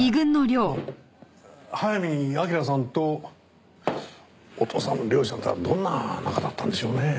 まあ早見明さんとお父さんの良司さんとはどんな仲だったんでしょうねえ？